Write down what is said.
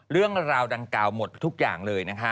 เรื่องราวดังกล่าวหมดทุกอย่างเลยนะคะ